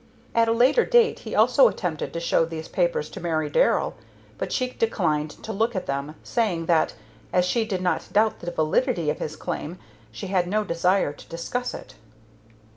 At a later date he also attempted to show these papers to Mary Darrell, but she declined to look at them, saying that, as she did not doubt the validity of his claim, she had no desire to discuss it.